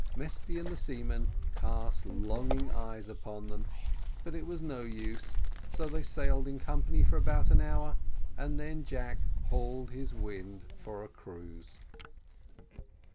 Mesty and the seamen cast longing eyes upon them, but it was of no use; so they sailed in company for about an hour, and then Jack hauled his wind for a cruise.